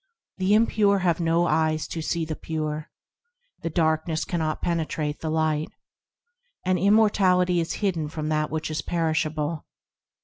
The impure have no eyes to see the pure, The darkness cannot penetrate the Light, And immortality is hidden from that which is perishable.